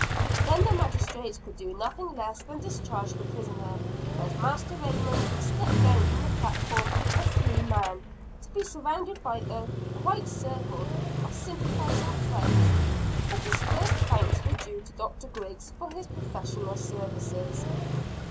Then the magistrates could do nothing less than discharge the prisoner; and Master Raymond stepped down from the platform a free man, to be surrounded by quite a circle of sympathizing friends. But his first thanks were due to Dr. Griggs for his professional services.